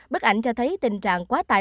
bức ảnh cho thấy tình trạng quá tải